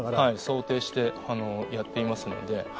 想定してやっていますので。